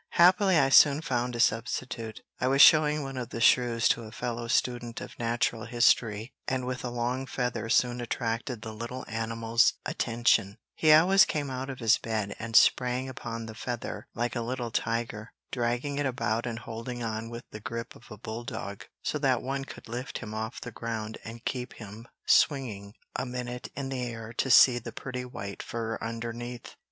Happily I soon found a substitute. I was showing one of the shrews to a fellow student of natural history, and with a long feather soon attracted the little animal's attention; he always came out of his bed and sprang upon the feather like a little tiger, dragging it about and holding on with the grip of a bull dog, so that one could lift him off the ground and keep him swinging a minute in the air to see the pretty white fur underneath.